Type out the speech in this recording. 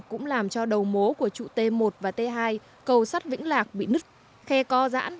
cũng làm cho đầu mối của trụ t một và t hai cầu sắt vĩnh lạc bị nứt khe co giãn